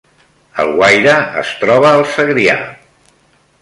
Alguaire es troba al Segrià